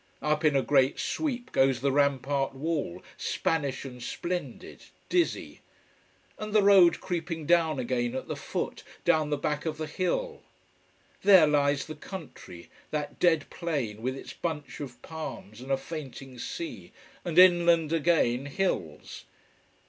Up in a great sweep goes the rampart wall, Spanish and splendid, dizzy. And the road creeping down again at the foot, down the back of the hill. There lies the country: that dead plain with its bunch of palms and a fainting sea, and inland again, hills.